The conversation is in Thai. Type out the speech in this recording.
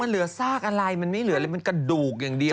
เหลือซากอะไรมันไม่เหลืออะไรมันกระดูกอย่างเดียว